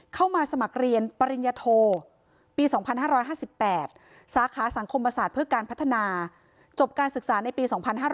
เข้ามาสมัครเรียนปริญญโทปี๒๕๕๘สาขาสังคมศาสตร์เพื่อการพัฒนาจบการศึกษาในปี๒๕๕๙